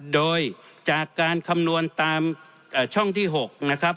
โดยจากการคำนวณตามช่องที่๖นะครับ